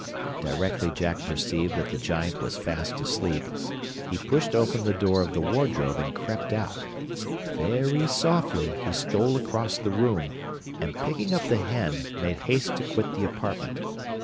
Directly Jack perceived that the Giant was fast asleep, he pushed open the door of the wardrobe and crept out; very softly he stole across the room, and, picking up the hen, made haste to quit the apartment.